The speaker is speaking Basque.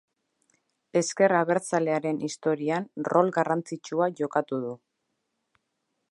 Ezker abertzalearen historian rol garrantzitsua jokatu du.